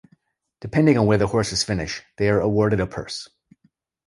Depending on where the horses finish, they are awarded a purse.